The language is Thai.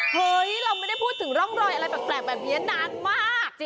เฮ้ยเราไม่ได้พูดถึงร่องรอยอะไรแปลกแบบนี้นานมาก